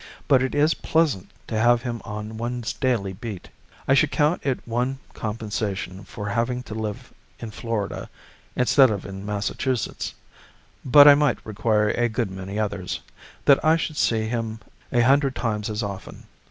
But it is pleasant to have him on one's daily beat. I should count it one compensation for having to live in Florida instead of in Massachusetts (but I might require a good many others) that I should see him a hundred times as often.